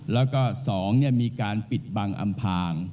แล้วก็๒มีการปิดบังอำพาง